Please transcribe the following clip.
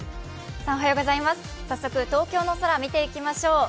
早速、東京の空見ていきましょう。